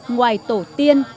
ngoài tổ tiên